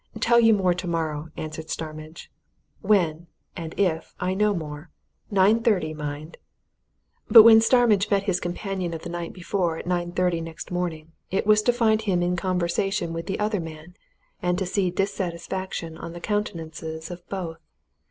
"Tell you more tomorrow," answered Starmidge. "When and if I know more. Nine thirty, mind!" But when Starmidge met his companion of the night before at nine thirty next morning, it was to find him in conversation with the other man, and to see dissatisfaction on the countenances of both.